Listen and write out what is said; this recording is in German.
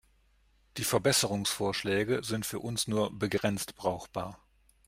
Die Verbesserungsvorschläge sind für uns nur begrenzt brauchbar.